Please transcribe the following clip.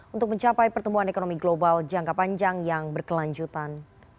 untuk mencapai pertumbuhan ekonomi global jangka panjang yang berkelanjutan